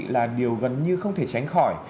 là điều gần như không thể tránh khỏi